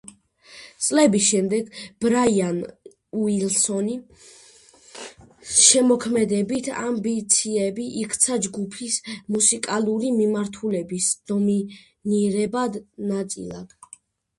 წლების შემდეგ ბრაიან უილსონის შემოქმედებითი ამბიციები იქცა ჯგუფის მუსიკალური მიმართულების დომინირებად ნაწილად.